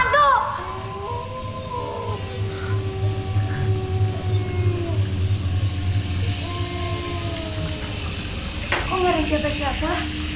kok ngeri siapa siapa